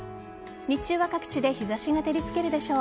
日中は、各地で日差しが照りつけるでしょう。